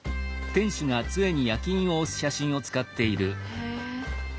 へえ。